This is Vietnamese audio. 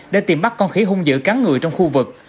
để tìm bắt con khỉ hung dữ cắn người trong khu vực